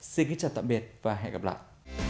xin kính chào tạm biệt và hẹn gặp lại